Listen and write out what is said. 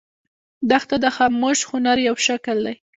دښته د خاموش هنر یو شکل دی.